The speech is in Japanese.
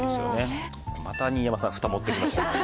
また新山さんふた持ってきましたね。